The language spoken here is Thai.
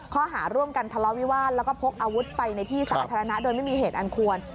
ข้อหาร่วมกันทะเลาะวิวาสแล้วก็พกอาวุธไปในที่สาธารณะโดยไม่มีเหตุอันควร